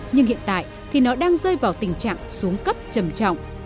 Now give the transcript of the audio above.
nhưng hiện tại thì nó đang rơi vào tình trạng xuống cấp trầm trọng